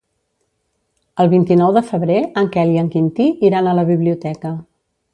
El vint-i-nou de febrer en Quel i en Quintí iran a la biblioteca.